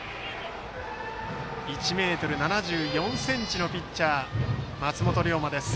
１ｍ７４ｃｍのピッチャー松元涼馬です。